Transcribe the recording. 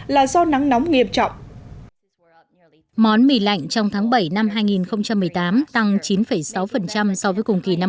là do nắng nóng nghiêm trọng món mì lạnh trong tháng bảy năm hai nghìn một mươi tám tăng chín sáu so với cùng kỳ năm